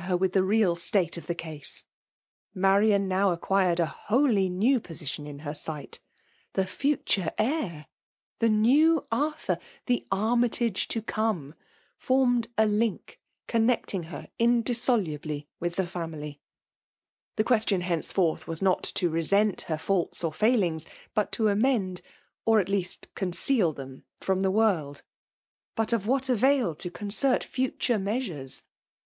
her with the real state of ti^e ea^e. Marian ^ now' acquired a wholly new position in her sight. The . future heir, — the FHUAVR DOflllNiiTlOll* 253 ner^Atthuri — ^the ATmytago to coxiie, 4bTnied a link connecting her indissolubly with the fiumly. The queirtion henceforth was not to resent her faults or failings^ but *to amende or at leasts eonceal them, from the world. But of what ftraU. to concert future measures?